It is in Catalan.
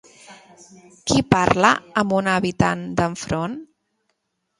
Qui parla amb una habitant d'enfront?